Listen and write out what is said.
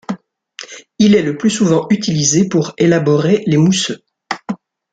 Il est le plus souvent utilisé pour élaborer les mousseux.